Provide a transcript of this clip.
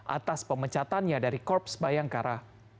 atas pemecatannya dari korps bayangkara